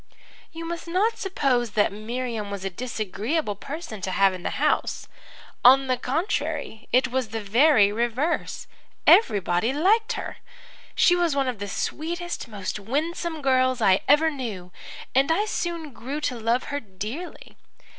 "You must not suppose that Miriam was a disagreeable person to have in the house. On the contrary, it was the very reverse. Everybody liked her. She was one of the sweetest, most winsome girls I ever knew, and I soon grew to love her dearly.